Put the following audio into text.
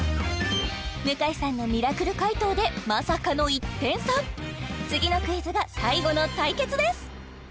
向井さんのミラクル解答でまさかの１点差次のクイズが最後の対決です！